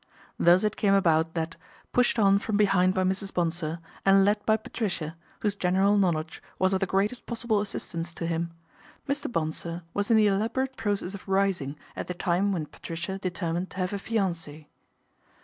Thus it came about that, pushed on from behind by Mrs. Bonsor and led by Patricia, whose general knowledge was of the greatest possible assistance to him, Mr. Bonsor was in the elaborate process of rising at the time when Patricia determined to have a fiance.